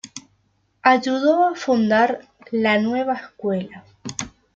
Ayudó a fundar La Nueva Escuela.